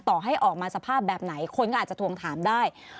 ต่อให้ออกมาสภาพแบบไหนคนก็อาจจะทวงถามได้